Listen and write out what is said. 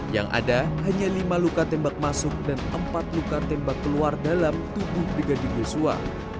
yang ada hanya lima luka tembak masuk dan empat luka tembak keluar dalam tubuh brigadir yosua